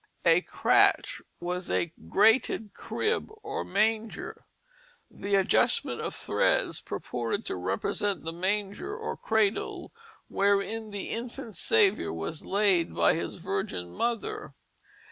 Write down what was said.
A cratch was a grated crib or manger. The adjustment of threads purported to represent the manger or cradle wherein the infant Saviour was laid by his Virgin Mother.